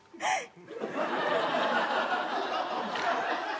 はい。